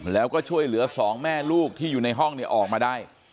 แล้วก็ช่วยเหลือสองแม่ลูกที่อยู่ในห้องเนี่ยออกมาได้